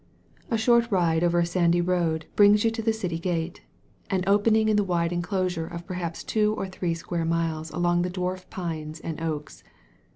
A short ride over a sandy road brings you to the city gate — ^an opening in the wire enclosure of perhaps two or three square miles among the dwarf pines and oaks.